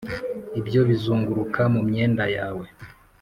ibyo bizunguruka mu myenda yawe